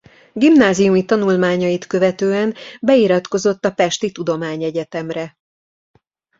Gimnáziumi tanulmányait követően beiratkozott a Pesti Tudományegyetemre.